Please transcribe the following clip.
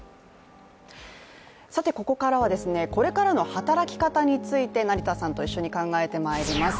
ここからはこれからの働き方について成田さんと一緒に考えていきたいと思います。